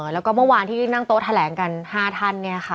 แล้วก็เมื่อวานที่นั่งโต๊ะแถลงกัน๕ท่าน